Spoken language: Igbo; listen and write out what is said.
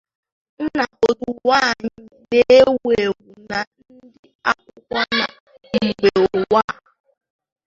nna otu nwaanyị na-ewu èwù n'ide akwụkwọ na mba ụwa